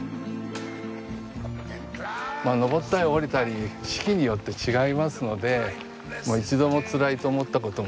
登ったり下りたり四季によって違いますので一度もつらいと思ったこともないですね。